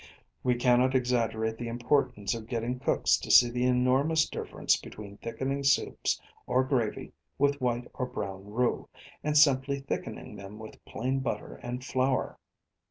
We cannot exaggerate the importance of getting cooks to see the enormous difference between thickening soups or gravy with white or brown roux and simply thickening them with plain butter and flour.